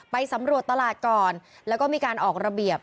ไปสำรวจตลาดก่อนแล้วก็มีการออกระเบียบ